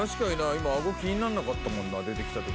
今あご気にならなかったもんな出てきた時」